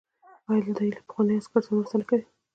آیا دوی له پخوانیو عسکرو سره مرسته نه کوي؟